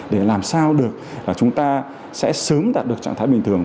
để làm sao được chúng ta sẽ sớm đạt được trạng thái bình thường